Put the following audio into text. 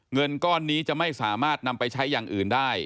เงินก้อนนี้จะไม่สามารถนำไปใช้อย่างอื่นได้